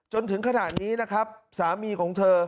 จนถึงขณะนี้นะครับสามีของเธอ